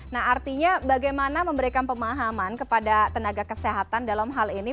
nah artinya bagaimana memberikan pemahaman kepada tenaga kesehatan dalam hal ini